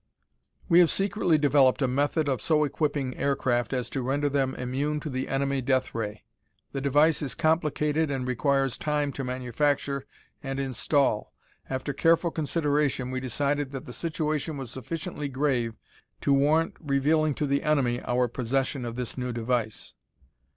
"We have secretly developed a method of so equipping aircraft as to render them immune to the enemy death ray. The device is complicated and requires time to manufacture and install. After careful consideration, we decided that the situation was sufficiently grave to warrant revealing to the enemy our possession of this new device.